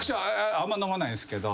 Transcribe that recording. あんま飲まないですけど。